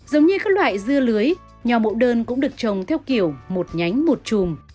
giống như các loại dưa lưới nho mẫu đơn cũng được trồng theo kiểu một nhánh một chùm